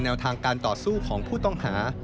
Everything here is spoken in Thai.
ทางการต่อสู้ของผู้ต้องหา